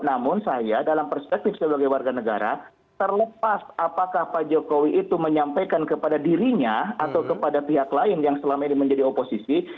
namun saya dalam perspektif sebagai warga negara terlepas apakah pak jokowi itu menyampaikan kepada dirinya atau kepada pihak lain yang selama ini menjadi oposisi